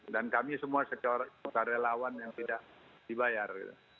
dan kami semua secara relawan yang tidak dibayar